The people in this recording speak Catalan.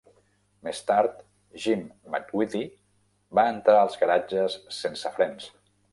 Més tard, Jim McWithey va entrar als garatges sense frens.